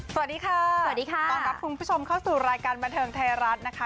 สวัสดีค่ะสวัสดีค่ะต้อนรับคุณผู้ชมเข้าสู่รายการบันเทิงไทยรัฐนะคะ